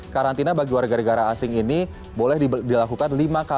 karantina bagi warga negara asing ini boleh dilakukan